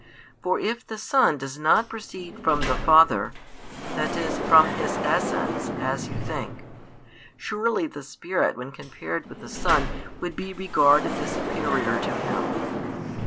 For if the Son does not proceed from the Father, that is, from His Essence, as you think, surely the Spirit when compared with the Son would be regarded as superior to Him.